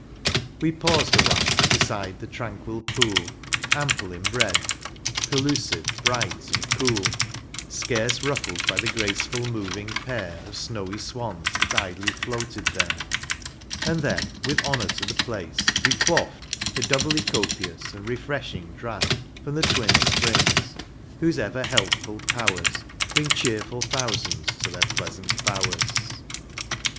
We paused a while beside the tranquil pool. Ample in breadth, pellucid, bright and cool, lOO Autumn Leaves. Scarce ruffled by the graceful moving pair Of snowy swans that idly floated there ; And then, with honour to the place, we quaffed A doubly copious and refreshing draught From the twin Springs, whose ever healthful powers Bring cheerful thousands to their pleasant bowers.